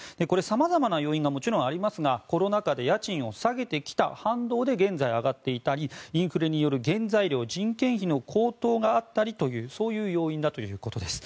さまざまな要因がもちろんありますがコロナ禍で家賃を下げてきた反動で現在は上がっていたりインフレによる原材料や人件費の高騰があったりという要因だということです。